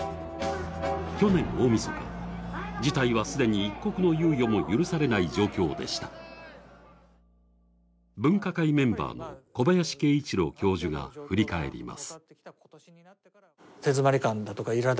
去年大みそか事態は既に一刻の猶予も許されない状況でした。分科会メンバーの小林慶一郎教授が振り返ります。